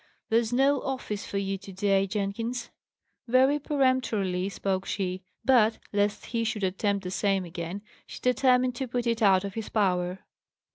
There's no office for you to day, Jenkins." Very peremptorily spoke she. But, lest he should attempt the same again, she determined to put it out of his power.